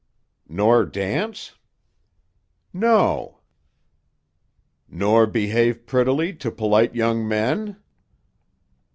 "Nor dance?" "No." "Nor behave prettily to polite young men?"